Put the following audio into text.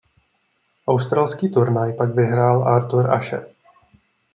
Australský turnaj pak vyhrál Arthur Ashe.